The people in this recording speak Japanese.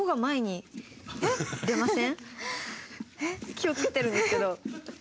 気をつけてるんですけど。